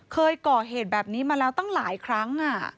เคยก่อเหตุแบบนี้มาแล้วตั้งหลายครั้ง